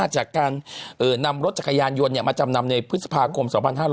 จากการนำรถจักรยานยนต์มาจำนำในพฤษภาคม๒๕๕๙